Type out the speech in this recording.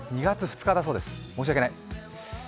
２月２日だそうです、申し訳ない。